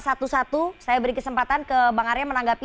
satu satu saya beri kesempatan ke bang arya menanggapi